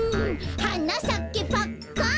「はなさけパッカン」